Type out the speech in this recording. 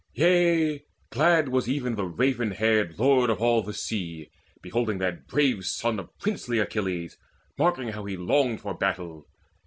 Yea, glad was even the Raven haired, the Lord Of all the sea, beholding that brave son Of princely Achilles, marking how he longed For battle.